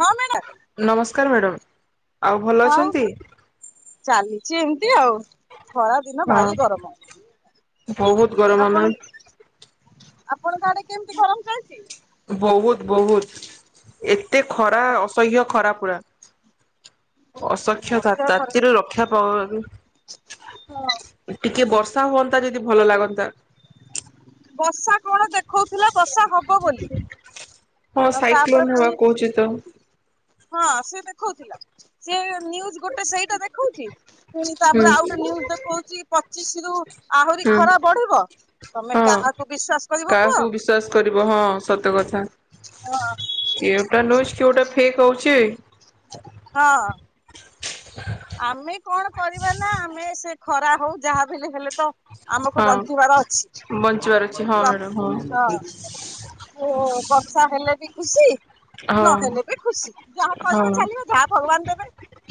ହଁ ମ୍ୟାଡ଼ାମ ନମସ୍କାର ମ୍ୟାଡ଼ାମ। ଆଉ ଭଲ ଅଛନ୍ତି। ଚାଲିଛି ଏମିତି ଆଉ। ଖରା ଦିନ ଭାରି ଗରମ ହଁ ବହୁତ ଗରମ ଆପଣ [unintelligible] ଆପଣଙ୍କ ଆଡେ କେମିତି ଗରମ ଚାଲିଛି? ବହୁତ ବହୁତ। ଏତେ ଖରା ଅସହ୍ୟ ଖରାପ [unintelligible] ଅସକ୍ଷତା ଅସହ୍ୟ ଖରା। ତାତିରୁ ରକ୍ଷା ହଁ [unintelligible] ଟିକେ ବର୍ଷା ସା ହୁଅନ୍ତା ଯଦି ଭଲ ଲାଗନ୍ତା। ବର୍ଷା କଣ ଦେଖଉଥିଲା ବର୍ଷା ହବ ବୋଲି। ହଁ ଆଉ ତାପରେ ସାଇକ୍ଲୋନ ହେବା ପୁଣି କହୁଛି ତ। [inaudible] ହଁ ସେ ଦେଖଉଥିଲ ସିଏ ନ୍ୟୁଜ ଗୋଟେ ସେଇଟା ଦେଖଉଛି ପୁଣି ତାପରେ ଆଉ ଗୋଟେ ନ୍ୟୁଜ ଦେଖଉଛି ପ ଚିଶରୁ ହୁଁ ହଁ କାହାକୁ ବିଶ୍ଵାସ କରିବ କୁହ କାହାକୁ ବିଶ୍ଵାସ କରିବ ହଁ ସତକଥା ହଁ [unintelligible] ଫେକ୍। କହୁଛି। ହଁ। ଆମେ କଣ କରିବା ନା ଆମେ ସେ ଖରା ହଉ ଯାହା ବଲେ ହେଲେ ତ ଆମକୁ ବଞ୍ଚିବାର ହଁ ଅଛି ବଞ୍ଚିବାର ଅଛି ହଁ ତ ମ୍ୟାଡ଼ାମ ହଁ ହଁ ବର୍ଷା ହେଲେ ବି ଖୁସି ନହେଲେ ହଁ ବି ଖୁସି ଯାହା କରିବ ହଁ। ଚାଲିବ ଯାହା ଭଗବାନ ଦେବେ।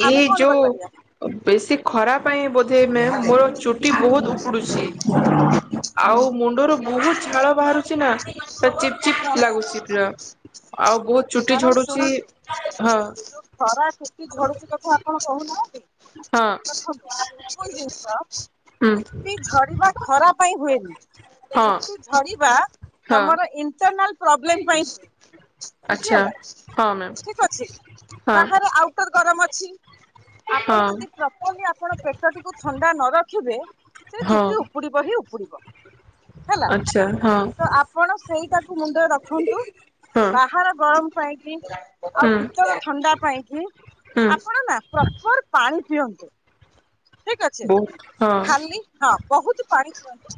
ଆମେ ଏଇ କଣ କରିପାରିବା। ଯୋଉ ବେଶୀ ଖରା ପାଇଁ ବୋଧେ ମୋର ଚୁଟି ବହୁତ ଉପଡୁଛି ଆଉ ମୁଣ୍ଡରୁ ବହୁତ ଝାଳ ବାହାରୁଛି ନା ପା ଚିପ୍ ହଁ ଚିପ୍ ହଁ ଲାଗୁଛି ପା ଆଉ ବହୁତ ଚୁଟି ମ୍ୟାଡାମ ଝଡୁଛି ଶୁଣନ୍ତୁ ହଁ ଝଡ଼ଛି କଥା ଆପଣ କହୁନାହାନ୍ତି ହଁ ଦେଖନ୍ତୁ ସବୁ ଜିନିଷ ହୁଁ ଚୁଟି ଝଡିବା ଖରା ପାଇଁ ହୁଏନି, ହଁ। ଚୁଟି ଝଡିବା ହଁ ତମର ଇ ପ୍ରୋବ୍ଲେମ୍ ପାଇଁ ହୁଏ। ଆଚ୍ଛା ବୁଝିହେଲା, ହଁ ମ୍ୟାମ୍ ଠିକ ଅଛି ହଁ ବାହାରେ ଆଉଟର ଗରମ [inaudible] ଛି। ଆପଣ ହଁ ଯଦି ପ୍ରପରଲି ଆପଣ ପେଟଟିକୁ ଥଣ୍ଡା ନ ରଖିବେ ସେ ହଁ। ଚୁଟି ଉପୁଡିବ ହିଁ ଉପୁଡିବ। ହେଲା ଆଚ୍ଛା ହଁ ତ ଆପଣ ସେଇଟା ମୁଣ୍ଡରେ ରଖନ୍ତୁ। ହଁ ବାହାର ଗରମ ପାଇଁକି ଆଉ ହୁଁ ଭିତର ଥଣ୍ଡା ପାଇଁକି ହୁଁ ଆପଣ ନା ପ୍ରପର ପାଣି ପିଅନ୍ତୁ। ଠିକ ଅଛି ବହୁତ ହଁ ଖାଲି ହଁ। ବହୁତୁ ପାଣି ପିଅନ୍ତୁ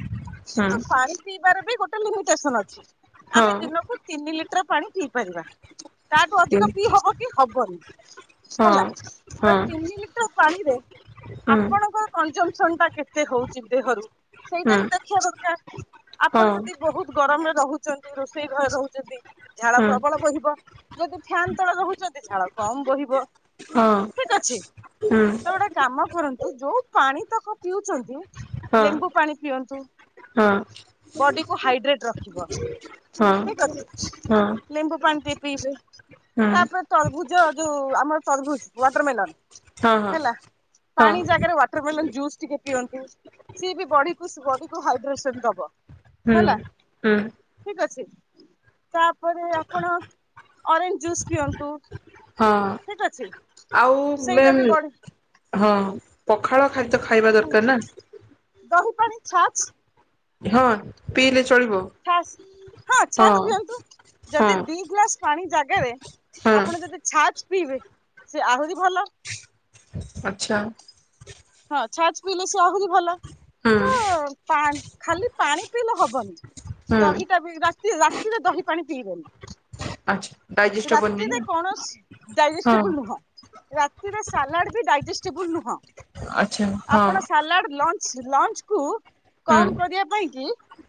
କିନ୍ତୁ ପାଣି ପିଇବାର ବି ଗୋଟେ ଟେସନ ଅଛି। ହୁଁ ଆମେ ହଁ ଦିନକୁ ତିନି ଲିଟର ପାଣି ପିଇ ପାରିବା। ତାଠୁ ହଁ ଅଧିକ ପିଇ ହବ କି ହବନି। ହଁ ହେଲା ତ ହଁ ତିନି ଲିଟର ପାଣିରେ ହୁଁ। ଜମ୍ପସନ୍ ଟା କେତେ ହଉଛି ଦେହରୁ ସେଇଟା ହୁଁ ବି ଦେଖିବା ଦରକାର। ଆପଣ ଯଦି ହଁ ବହୁତ ଗରମରେ ରହୁ ଛନ୍ତି ରୋଷେଇ ଘରେ ରହୁଛନ୍ତି ଝାଳ ହଁ। ପ୍ରବଳ ବୋହିବ। ଯଦି ଫ୍ୟାନ ତଳେ ରହୁଛନ୍ତି ଝାଳ କମ ବୋହିବ। ହଁ ଠିକ ଅଛି ହୁଁ। ତ ଗୋଟେ କାମ କରନ୍ତୁ ଯୋଉ ପାଣି ତକ ପିଉଚନ୍ତି ହଁ ଲେମ୍ବୁ ପାଣି ପିଅନ୍ତୁ ହଁ ବଡି କୁ ହାଇଡ୍ରେଟ ରଖିବ ହଁ ଠିକ ଅଛି। ହଁ ଲେମ୍ବୁ ପାଣି ବି ପିଇବେ ହଁ ତାପରେ ତରଭୁଜ ଯୋଉ ଆମର ତର୍ଭୁଜ୍ ୱାଟରମେଲନ୍ ହଁ ହେଲା। ହଁ ପାଣି ଜାଗାରେ ୱାଟରମେଲନ୍ ଜୁସ୍ ଟିକେ ପିଅନ୍ତୁ ସିଏ ବି ବଡି କୁ ବଡି କୁ ହାଇଡ୍ରେ ସନ୍ ଦବ। ହୁଁ ହେଲା ହୁଁ। ଠିକ ଅଛି ତାପରେ ଆପଣ ଅରେଞ୍ଜ ଜୁସ୍ ପିଅ ନ୍ତୁ। ହଁ ଆଉ ସେଇଟା ମେଲ୍ ବି ବଢି ହଁ ପଖାଳ ଖାଦ୍ୟ ଖାଇବା ଦରକାର ନା। ଦହି ପାଣି ଛାନ୍ସ ହଁ ପିଇଲେ ଚଳିବ ହାସ୍ ହଁ ଛାସ୍ ପିଅନ୍ତୁ ହଁ ଯଦି ଦି ଗ୍ଲାସ ପାଣି ଜା କେବେ? ହଁ ଆପଣ ଯଦି ଛାଚ୍ ପିଇବେ ସେ ଆହୁରି ଭଲ। ଆଚ୍ଛା। ଆ ଛାଚ୍ ପିଇଲେ ସେ ଆହୁରି ଭଲ। ହୁଁ ତ ପା ଖାଲି ପାଣି ପିଇଲେ ହବନି ହୁଁ ଦହିଟା ବି ରାତି ରାତିରେ ଦହି ପାଣି ପିଇବେନି। ଆଚ୍ଛା। ଡାଇଜେଷ୍ଟ ହବନି ରାତିରେ ନା କୌଣସି ହଁ ଡାଇଜେଷ୍ଟେବୁଲ ନୁହଁ। ରାତିରେ ସାଲାଡ ବି ଡାଇଜେଷ୍ଟେବୁଲ ନୁହଁ‌ ଆଚ୍ଛା ହଁ ଆପଣ ସାଲାଡ ଭଁ ଲଞ୍ଚକୁ ହୁଁ କମ କରିବା ପାଇଁ କି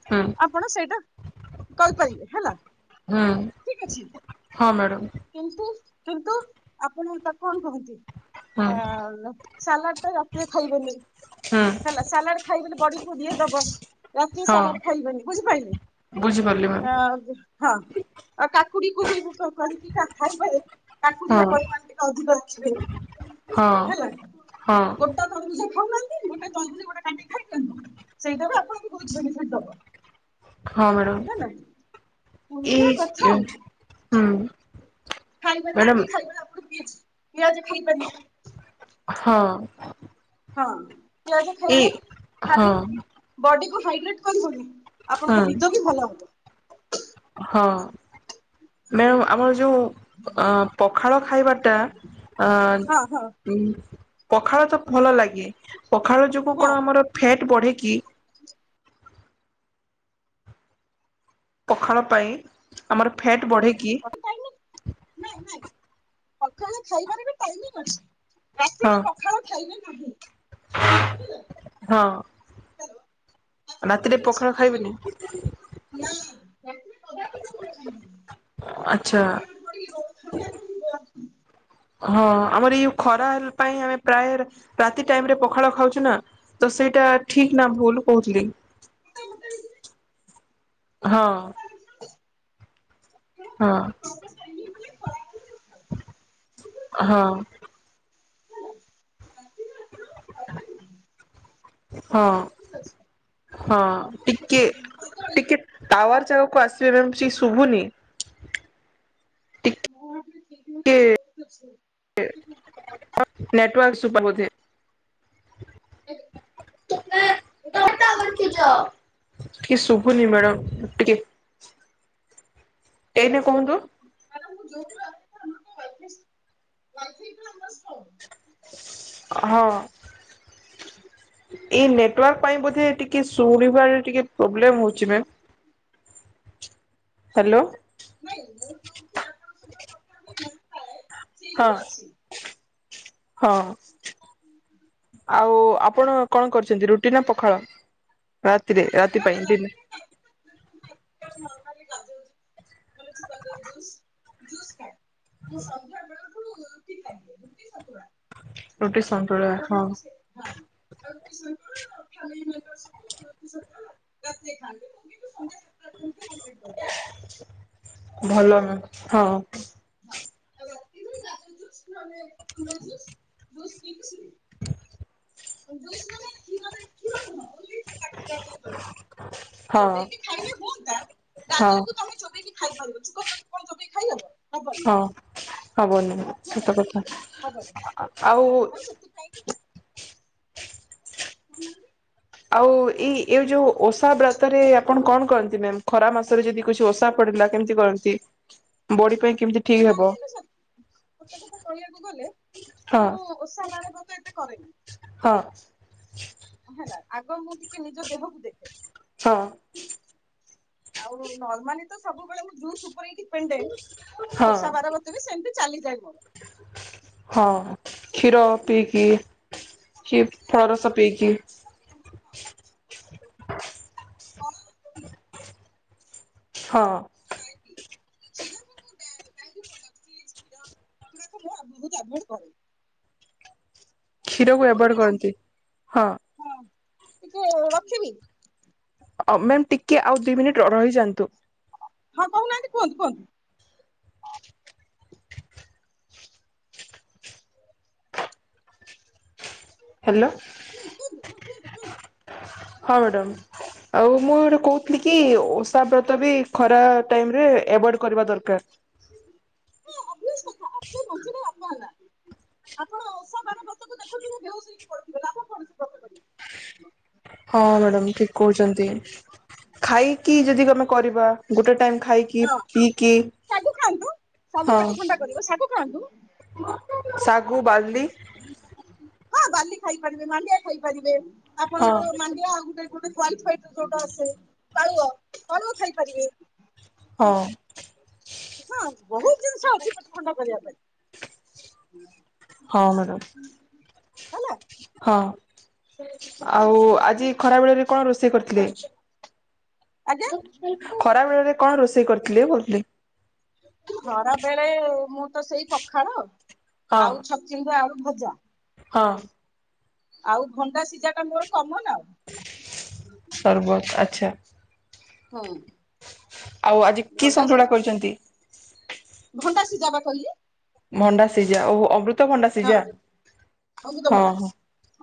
ହୁଁ ଆପଣ ସେଇଟା କଇପାରିବେ ହେଲା ହୁଁ ଠିକ ଅଛି। ହଁ ମ୍ୟାଡ଼ାମ କିନ୍ତୁ କିନ୍ତୁ ଆପଣ ତାକୁ କଣ କହନ୍ତି ହୁଁ ସାଲା ସାଲାଡଟା ରାତିରେ ଖାଇବେନି ହୁଁ ହେଲା ସାଲାଡ ଖାଇବେନ ବଡିକୁ ଇଏ ଦବ ରାତିରେ ହଁ ସାଲାଡ ଖାଇବେନି। ବୁଝିପାଇଲେ? ବୁଝିପାରିଲି ମ୍ୟାମ୍ ଅ ହଁ ଅଁ କା [unintelligible] କା ଖାଇବେ କାକୁଡିର ହଁ ପରିମାଣ ଟିକେ ଅଧିକ ରଖିବେ ହଁ ହେଲା ହଁ ଗୋଟେ ତରଭୁଜ ଖାଉନାହାଁ ଗୋଟା ତରଭୂଜ ଗୋଟେ କାଟିକି ଖାଇ ଦିଅନ୍ତୁ ସେଇଟା ବି ଆପଣଙ୍କୁ ବୋହୁତ ବେନିଫିଟ୍ ଦବ। ହଁ ମେଡ଼ମ ହେଲା ଏମିତିଆ ଏଚ୍ ଏଇ ହୁଁ। ଖାଇବ ମ୍ୟାଡ଼ାମ ରାତି ଖାଇବା ଆପଣ ପ୍ଲିଜ୍ ପିଆଜ ଖାଇପାରିବେ ହଁ ହଁ। ପିଆଜ ଏଇ ଖାଇଲେ ହଁ ଖାଲି ବଡ଼ି କୁ ହାଇଡ୍ରେଟ୍ କରିବନି ହଁ ଆପଣଙ୍କ ନିଦ ବି ଭଲ ହବ। ମ୍ୟାମ୍ ଆମର ଯୋଉ ଅ ପଖାଳ ଖାଇବାଟା ଆ ହଁ ତି ପଖାଳ ତ ଭଲ ଲାଗେ ପଖାଳ ଯୋଗୁ ହଁ କଣ ଆମର ଫ୍ୟାଟ ବଢେ କିି? ପଖାଳ ପାଇଁ ଆମର ଫ୍ୟାଟ ବଢେ କିି [unintelligible] ପଖାଳ ଖାଇବାର ବି ଟାଇମିଂ ଅଛି ହଁ ରାତିରେ ପଖାଳ ଖାଇବେ ନାହିଁ। ହ୍ୟାଲୋ ହଁ ଆପଣ ରାତିରେ ପଖାଳ ସକାଳୁ ଖାଇବେନି ନା ରାତିରେ କଦାପି ପଖାଳ ଖାଇବେନି ଆଛା। ଥଣ୍ଡା ପଡିବ ମୋଟା ହଁ ଆମର ଏଇ ଖରା ପାଇଁ ଆମେ ପ୍ରାୟ ରାତି ଟାଇମ ରେ ପଖାଳ ଖାଉଛୁ ନା ତ ସେଇଟା ଠିକ ନା ଭୁଲ କହୁଥିଲି ମୋଟା ହଁ। ହେଇଯିବେ ଏବେ ହଁ। ହଁ। [unintelligible] ହଁ ଠିକ ହଁ ଟିକେ ଟିକେ ଟାୱାର ଯାଗକୁ ଆସିବେ ମ୍ୟାମ। କିଛି ଶୁଭୁନି। ଟିକେ ନେଟୱାର୍କ ସୁପା ବୋଧେ। [inaudible] ଏବେ ଠିକ ଅଛି। [unintelligible] ଟିକେ ଶୁଭୁନି ମ୍ୟାଡାାମ ଟିକେ ଏନି କୁହନ୍ତୁ। [inaudible] ହଁ ଏ ନେଟୱାର୍କ ପାଇଁ ବୋଧେ ଟିକେ ଶୁଣିବାରେ ଟିକେ ପ୍ରୋବଲେମ ହୋଉଛି ମେମ୍। ହେଲୋ। ନାଇଁ ମୁଁ ଯୋଉଠି ଆପଣଙ୍କ ସହିତ କଥା ବି ହଉଥାଏ। ସେଇଠି ହଁ ବି ଅଛି। ହଁ। ଆଉ ଆପ ଆପଣ କଣ କରିଛନ୍ତି ରୁଟି ନା ପଖାଳ। ରାତିରେ ରାତି ପାଇଁ ଡି [unintelligible] ଜୁସ ଜୁସ କାଇଁ ମୁଁ ସନ୍ଦ୍ୟା ବେଳଠୁ ରୁଟି ପାଇଁ ରୁଟି ସନ୍ତୁଳା। ରୁଟି ସନ୍ତୁଳା ସନ୍ଧ୍ୟା ହଁ। ବେଳଠୁ ସେ ହଁ ଆଉ ରୁଟି ସନ୍ତୁଳା ଆମେ ବି ସବୁ ରୁଟି ସନ୍ତୁଳା ରାତିରେ ଖାନ୍ତି ମୁଁ ସନ୍ଦ୍ୟା ସାତଟା ସୁଦ୍ଧା ସାରିଦିଏ। ଭଲ ନା ହଁ। [unintelligible] [inaudible] କମଳା ଜୁସ ଜୁସ ପିଇକି ସୋଇ ଜୁସ ମାନେ କ୍ଷୀର ରେ କ୍ଷୀର ନୁହଁ ଓଂଲି [inaudible] ହଁ। ଚୋବେଇକି ଖାଇଲେ ହୁଅନ୍ତା ହଁ ଗାଜରକୁ ତମେ ଚୋବେେଇକି ଖାଇ ପାରୁନ। କଦଳି କଣ ଚୋବେଇ ଖାଇହବ? ହବନି ହଁ ହବନି ହେଲା ସତ ହବନି କଥା ଆଉ। ତ ସେଥିପାଇଁ ଆଉ ଏଇ ଏ ଯୋଉ ଓଷା ବ୍ରତରେ ଆପଣ କଣ କରନ୍ତି ମେମ୍ ଖରା ମାସରେ ଯଦି କିଛି ଓଷା ପଡିଲା କେମତି କରନ୍ତି ବଡି ପାଇଁ କେମିତି ଠିକ ହେବ ଜାଣିଲୁ ଉଷା ସତ କଥା କହିବାକୁ ଗଲେ ହଁ ମୁଁ ଓଷା ବାରବ୍ରତ ଏତେ କରେନି। [inaudible] ହେଲା ଆଗ ମୁଁ ଟିକେ ନିଜ ଦେହକୁ ଦେଖେ। ହଁ। ଆଉ ନର୍ମାଲି ତ ସବୁବେଳେ ମୁଁ ଜୁସ ଉପରେ ହିଁ ପେଣ୍ଡେଡ ହଁ ଓଷା ବାରବ୍ରତ ବି ସେମତି ଚାଲିଯାଏ ମୋର। ହଁ କ୍ଷୀର ପିକି କି ଫଳ ରସ ପିକି। [unintelligible] ହଁ। [unintelligible] ବୋହୁତ ଆଭୋଏଟ୍ କରେ। କ୍ଷୀରକୁ ହଁ ଆଭଏଡ୍ ମ୍ୟାଡ଼ାମ କରନ୍ତି ହଁ। ଟିକେ ରଖିବି। ଅ ମ୍ୟାମ୍ ଟି କେ ଆଉ ଦୁଇ ମିନିଟ୍ ର-ର ରହି ଯାଆନ୍ତୁ। ହଁ କହୁନାହାନ୍ତି କୁହନ୍ତୁ କୁହନ୍ତୁ। ହେଲୋ। କୁହନ୍ତୁ କୁହନ୍ତୁ ହଁ କୁହନ୍ତୁ କୁହନ୍ତୁ। ହଁ ମ୍ୟାଡ଼ାାମ ଆଉ ମୁଁ ଗୋଟେ କହୁଥିଲି କି ଓଷା ବ୍ରତ ବି ଖରା ଟାଇମ ରେ ଏବଏଡ୍ କରିବା ଦରକାର। ହଁ ଓଭିଓସ କଥା ଆପେ ବଞ୍ଚିଲେ ବାପାର ନାଁ। ଆପଣ ଓଷା ବାର ବ୍ରତକୁ ଦେଖୁଥିବେ ବିହୋସ ହେଇକି ପଡ଼ିଥିବେ ଲାଭ କଣ ସେଇ ବ୍ରତ କରି। ହଁ ମ୍ୟାଡ଼ାମ ଠିକ କହୁଛନ୍ତି। ଖାଇକି ଯଦି ଆମେ କରିବା ଗୋଟେ ଟାଇମ ଖାଇକି ହଁ ପିକିି। ଶାଗୁ ଖାଆନ୍ତୁ ଶାଗୁ ପେଟ ଥଣ୍ଡା କରିବ ଶାଗୁ ଖାଆନ୍ତୁ। ଶାଗୁ ବାଲି। ହଁ ବାଲି ଖାଇ ପାରିବେ ମାଣ୍ଡିଆ ଖାଇପାରିବେ। ହଁ ଆପଣଙ୍କ ମାଣ୍ଡିଆ ଆଉ ଗୋଟେ ଗୋଟେ [unintelligible] ଜଉଟା ଆସେ। ପାଳୁଅ [unintelligible] ପାଳୁଅ ଖାଇପାରିବେ। ହଁ। ହଁ ବହୁତ ଜିନିଷ ଅଛି ପେଟ ଥଣ୍ଡା କରିବା ପାଇଁ। [unintelligible] ହଁ ମ୍ୟାଡ଼ାମ। ହେଲା। ହଁ। ଆଉ ଆଜି ଖରା ବେଳରେ କଣ ରୋଷେ ରୋଷେଇ କରିଥିଲି। ଆଜ୍ଞା ଖରା ବେଳରେ କଣ ରୋଷେଇ କରିଥିଲେ କୋଉଥିଲି? ଖରାବେଳେ ମୁଁ ତ ସେଇ ପଖାଳ। ହଁ ଆଉ ଛଚିନ୍ଦ୍ର ଆଳୁ ଭଜା ହଁ। ଆଉ ଭଣ୍ଡା ସିଝାଟା ମୋର କମନ ଆଉ। ତରଭୁଜ [unintelligible] ଆଚ୍ଛା। ହୁଁ। ଆଉ ଆଜି କି ଭଣ୍ଡା ସନ୍ତୁଳା ସିଝା କ‌ରିଚନ୍ତି? ଭଣ୍ଡା ସିଝା ପା କହିଲି। ମଣ୍ଡା ସିଜା ଓହୋ ଅମୃ ତଭଣ୍ଡା ହଁ ସିଜା ହଁ ଅମୃତଭଣ୍ଡା। ହଁ।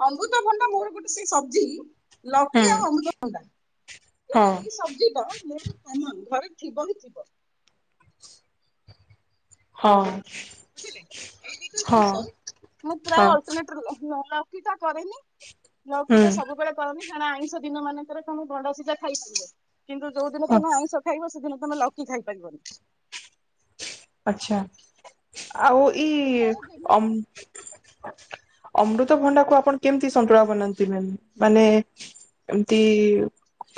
ଅମୃତଭଣ୍ଡା ମୋର ଗୋଟେ ସେଇ ସବଜି ହୁଁ ଲୌକି ଆଉ ଅମୃତ ଭଣ୍ଡା। ଏଇ ହଁ ଏଇ ସବଜି ର ମୋର କମନ ଘରେ ଥିବ ହିଁ ଥିବ। ହଁ। ହଁ ମୁଁ ପୁରା ହଁ [unintelligible] ପିତା କରେନି। ଲୌକି ଟା ସବୁବେଳେ କରନି। ଆଇଁଷ ଦିନ ମାନଙ୍କରେ କଣ ଭଣ୍ଡା ସିଝା ଖାଇ ପାରିବେ। କିନ୍ତୁ ଯୋଉ ଦିନ ହୁଁ ତମେ ଆଇଁଷ ଖାଇବ ସେଦିନ ତମେ ଲୌକି ଖାଇପାରିବ। ଆଚ୍ଛା। ଆଉ କାହିଁକି ଇଏ ତାର ଅମ୍ ଯେମିତି ଅମୃତଭଣ୍ଡାକୁ ଆପଣ କେମିତି ସନ୍ତୁଳା ବନାନ୍ତି ମ୍ୟାମ୍ ମାନେ ଏମତି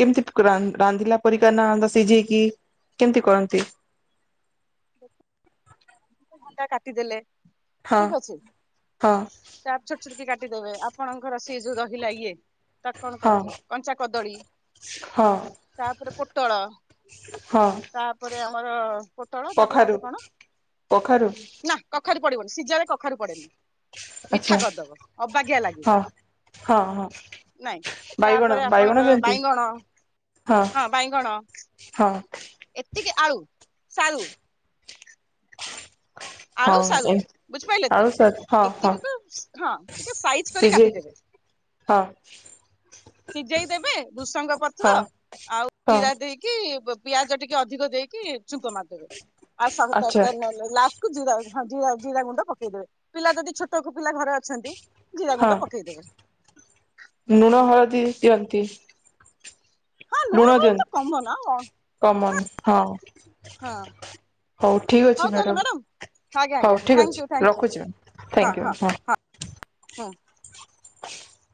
କେମତି ରା ରାନ୍ଧିଲା ପରିକା ନା ସିଝେଇକି କେମିତି କରନ୍ତି? ଭଣ୍ଡା କାଟିଦେଲେ ହଁ ଠିକ ଅଛି ହଁ ତାପରେ ଛୋଟଛୋଟ କି କାଟିଦେବେ ଆ ଆପଣଙ୍କର ସିଏ ଯୋଉ ରହିଲା ଇଏ ତାକୁ କଣ ହଁ କହନ୍ତି କଞ୍ଚା କଦଳୀ ହଁ ତାପରେ ପୋଟଳ ହଁ ତାପରେ ଆମର ପୋଟଳ ତାପରେ ଆଉ କଖାରୁ ଗୋଟେ କଣ କଖାରୁ ନାଁ କ କଖାରୁ ପଡ଼ିବନି ସିଝାରେ କଖାରୁ ପଡ଼େନି। ମିଠା ଆଚ୍ଛା କରିଦବ ଅବାଗିଆ ଲାଗିବ ହଁ ହଁ ହଁ ନାଇଁ ବାଇଗଣ ତାପରେ ବାଇଗଣ ଆପଣଙ୍କର ଯେମିତି ବାଇଗଣ ହଁ ବାଇଗଣ ହଁ ଏତିକି ଆଳୁ ସାରୁ। ଆଳୁ ହଁ ସାରୁ ଏ ବୁଝିପାଇଲ ତ ଆଳୁ ସାର୍ ହଁ ହଁ ଏତିକି ତ ଆଉ। ହଁ। ଟିକେ ସାଇଜ କରି କାଟିଦେବେ ସିଝେଇ ହଁ। ସିଜେଇ ଦେବେ ଭୃଷଙ୍ଗ ପତ୍ର ହଁ ଆଉ ହଁ ଜିରା ଦେଇକି ବ ପିଆଜ ଟିକେ ଅଧିକ ଦେଇକି ଛୁଙ୍କ ମାରିଦେବେ। ଆଉ ସବୁ ଆଚ୍ଛା ତରକାରୀ ନହେଲେ ଲାଷ୍ଟକୁ ହଁ ଜିରା ଜିରା ଗୁଣ୍ଡ ପକେଇଦବେ ପିଲା ଯଦି ଛୋଟ ପିଲା ଘରେ ଅଛନ୍ତି। ଜିରା ହଁ ଗୁଣ୍ଡ ପକେଇଦେବେ ଲୁଣ ହଳଦୀ ଦିଅନ୍ତି। ହଁ ଲୁଣ ହଳଦୀ ତ କମନ ଆଉ କଣ ଦିଅନ୍ତୁ କମନ। ହଁ। ହଁ ହଉ ଠିକ ହଉ ଅଛି ତାହେଲେ ମ୍ୟାଡାମ। ଆଜ୍ଞା ଆଜ୍ଞା ହଉ ଠିକ ଅଛି। ଥ୍ୟାଙ୍କୟୁ ଥ୍ୟାଙ୍କୟୁ ରଖୁଛି। ଥ୍ୟାଙ୍କୟୁ ହଁ। ହୁଁ।